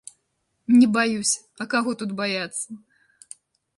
Не баюся, а каго тут баяцца?